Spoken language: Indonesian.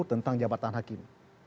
tentang jabatan hakim